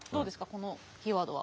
このキーワードは。